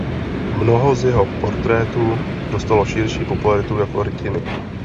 Mnoho z jeho portrétů dostalo širší popularitu jako rytiny.